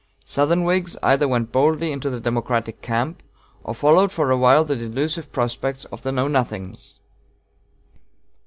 Southern Whigs either went boldly into the Democratic camp, or followed for a while the delusive prospects of the Know Nothings.